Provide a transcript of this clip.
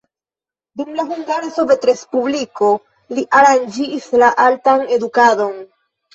Dum la Hungara Sovetrespubliko li aranĝis la altan edukadon.